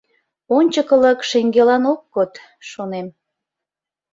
«Ончыклык» шеҥгелан ок код, шонем.